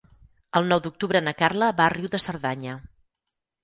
El nou d'octubre na Carla va a Riu de Cerdanya.